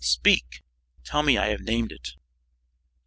Speak! Tell me I have named it!"